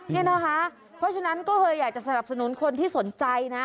เพราะฉะนั้นก็อยากจะสนับสนุนคนที่สนใจนะ